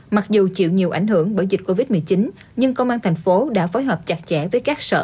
mặc dù chịu nhiều ảnh hưởng bởi dịch covid một mươi chín nhưng công an thành phố đã phối hợp chặt chẽ với các sở